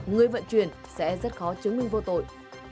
người vận chuyển sẽ rất khó chứng minh vô tội